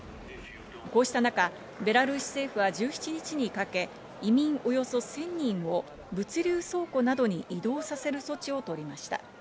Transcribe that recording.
こうした中、ベラルーシ政府は１７日にかけ、移民およそ１０００人を物流倉庫などに移動させる措置をとりました。